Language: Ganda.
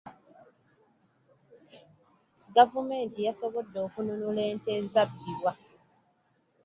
Gavumenti yasobodde okununula ente ezabbibwa.